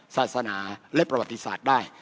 ศาสนาและประวัติศาสตร์ได้